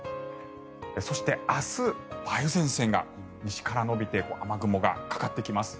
そして、明日、梅雨前線が西から延びて雨雲がかかってきます。